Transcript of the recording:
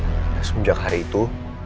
sebenernya sejak hari itu